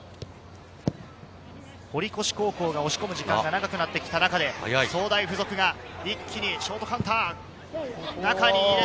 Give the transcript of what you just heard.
堀越高校が押し込む時間が長くなってきた中で総大附属が一気にショートカウンター。